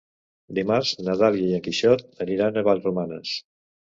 Dimarts na Dàlia i en Quixot aniran a Vallromanes.